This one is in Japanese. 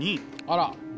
あら！